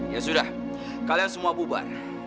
ya sudah kalian semua bubar